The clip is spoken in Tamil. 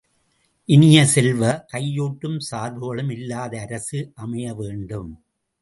இனிய செல்வ, கையூட்டும் சார்புகளும் இல்லாத அரசு அமைய வேண்டும்.